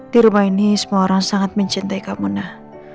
di rumah ini semua orang sangat mencintai kamu nah